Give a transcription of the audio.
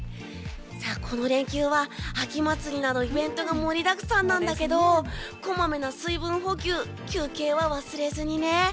この連休は秋祭りなどイベントが盛りだくさんなんだけどこまめな水分補給、休憩は忘れずにね。